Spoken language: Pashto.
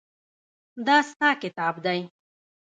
دا ستا کتاب دی.